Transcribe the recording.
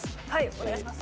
お願いします。